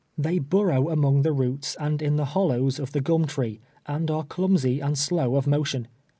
They burrow among the roots and in the hollows of the gum tree, and are clumsy and slow of motion.